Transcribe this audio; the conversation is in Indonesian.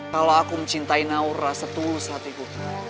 kalau aku mencintai naura setulus hatiku